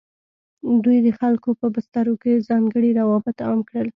دوی د خلکو په بسترو کې ځانګړي روابط عام کړل.